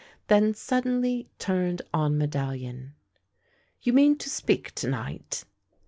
Then suddenly turned on Medallion. "You mean to speak to night?"